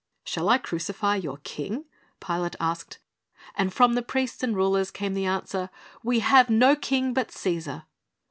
"Shall I crucify your king?" Pilate asked, and from the priests and rulers came the answer, "We have no king but Caesar."